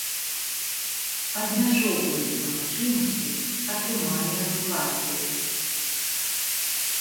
Абмяжоўваюцца магчымасці атрымання адукацыі.